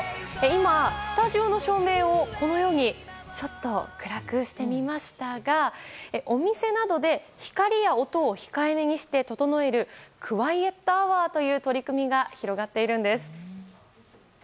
今、スタジオの照明をちょっと暗くしてみましたがお店などで光や音を控えめにして整える、クワイエットアワーという取り組みが広がっているんです。